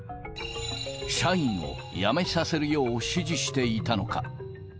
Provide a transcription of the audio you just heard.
社員を辞めさせるよう指示していたのか。